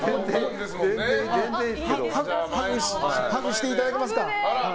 ハグしていただけますか。